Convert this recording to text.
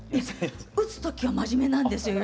打つ時は真面目なんですよ